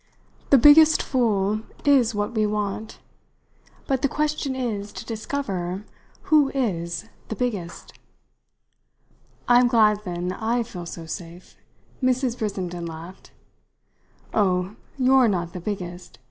The biggest fool is what we want, but the question is to discover who is the biggest." "I'm glad then I feel so safe!" Mrs. Brissenden laughed. "Oh, you're not the biggest!"